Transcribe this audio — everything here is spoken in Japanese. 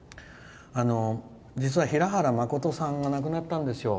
実は平原まことさんが亡くなったんですよ。